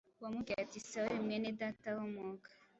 wamubwiye ati: “Sawuli, Mwenedata, humuka”